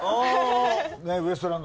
ウエストランド